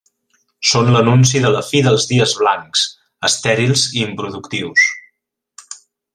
Són l'anunci de la fi dels dies blancs, estèrils i improductius.